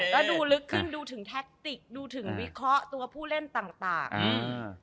แล้วดูลึกขึ้นดูถึงแท็กติกดูถึงวิเคราะห์ตัวผู้เล่นต่างต่างอืม